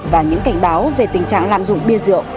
và những cảnh báo về tình trạng lạm dụng bia rượu